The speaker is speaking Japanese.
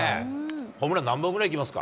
ホームラン、何本ぐらいいきます